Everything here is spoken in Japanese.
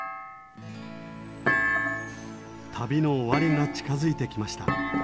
旅の終わりが近づいてきました。